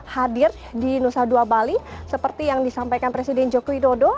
hadir di nusa dua bali seperti yang disampaikan presiden joko widodo